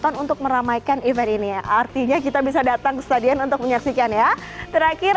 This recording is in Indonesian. menunjukkan unsur alphabet sansakerta warisan budaya nusantara di masa lampau sebagai tuan rumah indonesia sudah mengajukan